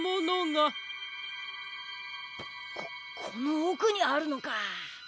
ここのおくにあるのか。